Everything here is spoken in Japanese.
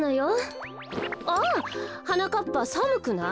あはなかっぱさむくない？